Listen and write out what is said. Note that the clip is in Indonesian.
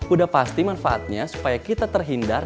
udah pasti manfaatnya supaya kita terhindar